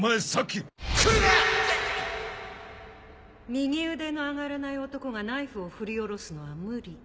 右腕の上がらない男がナイフを振り下ろすのは無理。